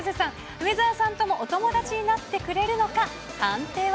梅澤さんともお友達になってくれるのか、判定は？